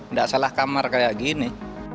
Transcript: nggak salah kamar kayak gini